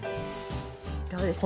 どうですか？